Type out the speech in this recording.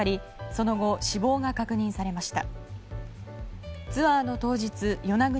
その後、死亡が確認されました。